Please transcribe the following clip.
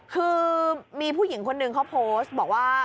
คือมีผู้หญิงคนนึงเขาโพสต์บอกว่า